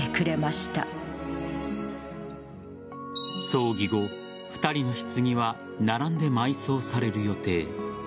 葬儀後、２人の棺は並んで埋葬される予定。